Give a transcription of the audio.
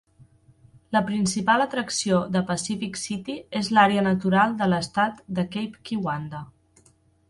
La principal atracció de Pacific City és l'àrea natural de l'estat de Cape Kiwanda.